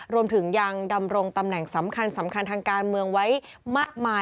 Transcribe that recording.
รวมถึงยังดำรงตำแหน่งสำคัญสำคัญทางการเมืองไว้มากมาย